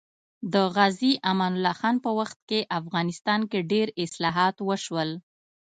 د غازي امان الله خان په وخت کې افغانستان کې ډېر اصلاحات وشول